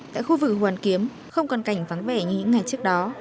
tại khu vực hoàn kiếm không còn cảnh vắng vẻ như những ngày trước đó